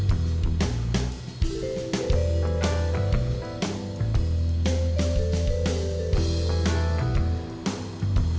kok engga qui pengintip atau kita sudah lama dehumanitas ya